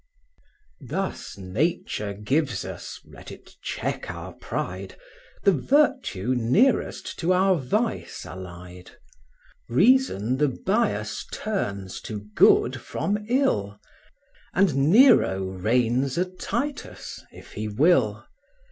Thus Nature gives us (let it check our pride) The virtue nearest to our vice allied: Reason the bias turns to good from ill And Nero reigns a Titus, if he will.